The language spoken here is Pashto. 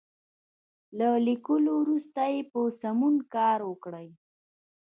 له ليکلو وروسته یې په سمون کار وکړئ.